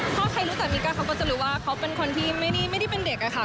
ถ้าใครรู้จักมิก้าเขาก็จะรู้ว่าเขาเป็นคนที่ไม่ได้เป็นเด็กอะค่ะ